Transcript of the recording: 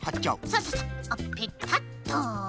そうそうそうあっペタッと。